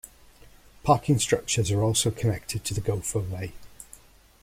Parking structures are also connected to the Gopher Way.